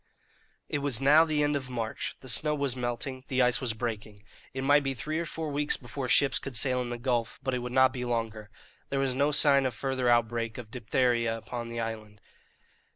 It was now the end of March; the snow was melting; the ice was breaking; it might be three or four weeks before ships could sail in the gulf, but it would not be longer. There was no sign of further outbreak of diphtheria upon the island.